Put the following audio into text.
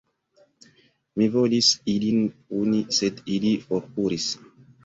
Mi volis ilin puni, sed ili forkuris.